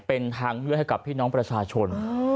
เป็นทางเลือกให้กับพี่น้องประชาชน